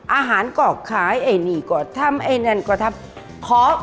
อาหารก็ขายไอ้นี่ก็ทำไอ้นั่นก็ทำขอ